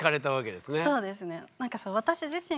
そうですね。